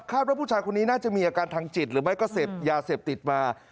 ว่าผู้ชายคนนี้น่าจะมีอาการทางจิตหรือไม่ก็เสพยาเสพติดมา